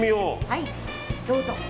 はい、どうぞ。